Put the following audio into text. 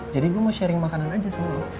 jadi gue mau sharing makanan aja sama lo